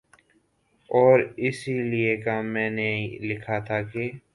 اور اسی لیے میں نے لکھا تھا کہ